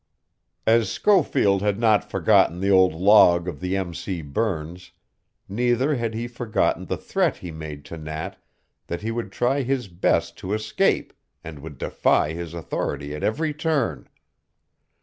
As Schofield had not forgotten the old log of the M. C. Burns, neither had he forgotten the threat he made to Nat that he would try his best to escape, and would defy his authority at every turn.